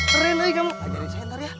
keren eh kamu ajarin saya ntar ya